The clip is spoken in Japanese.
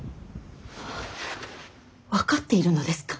分かっているのですか。